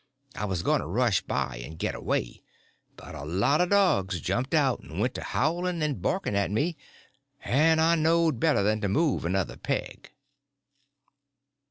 I was going to rush by and get away, but a lot of dogs jumped out and went to howling and barking at me, and I knowed better than to move another peg.